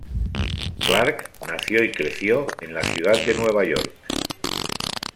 Clark nació y creció en la ciudad de Nueva York.